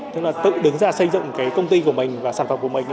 tức là tự đứng ra xây dựng cái công ty của mình và sản phẩm của mình